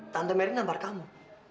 tante merry nampar kamu